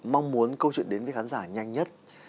mong muốn câu chuyện đến với khán giả nhanh nhất